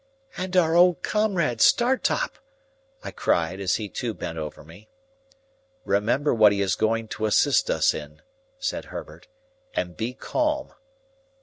"And our old comrade, Startop!" I cried, as he too bent over me. "Remember what he is going to assist us in," said Herbert, "and be calm."